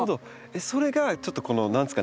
それがちょっとこの何ですかね